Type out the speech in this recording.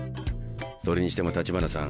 それにしても橘さん